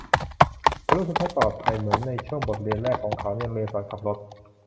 เขารู้สึกไม่ปลอดภัยเหมือนในช่วงบทเรียนแรกของเขาในโรงเรียนสอนขับรถ